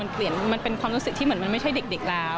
เปลี่ยนตมว่าชุดแปลกของเร็ว